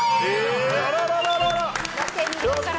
あらららら。